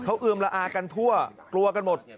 เขาเอือมละอากันทั่วกลัวกันหมด